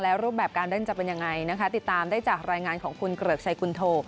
แล้วรูปแบบการเล่นจะเป็นยังไงนะคะติดตามได้จากรายงานของคุณเกริกชัยกุลโท